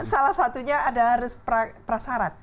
salah satunya ada harus prasarat